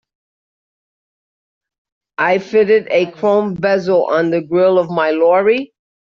I fitted a chrome bezel on the grill of my lorry.